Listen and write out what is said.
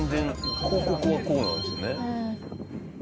広告はこうなんですよね。